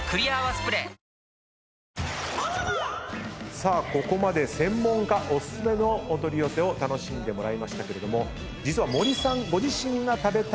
さあここまで専門家お薦めのお取り寄せを楽しんでもらいましたけれども実は。